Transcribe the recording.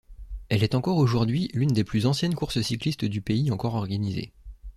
Elle est encore aujourd'hui l'un des plus anciennes courses cyclistes du pays encore organisées.